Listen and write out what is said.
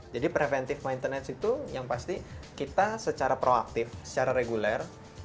jadi preventive maintenance itu yang pasti kita secara proaktif secara reguler